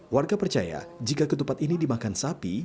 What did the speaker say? warga percaya jika ketupat ini dimakan sapi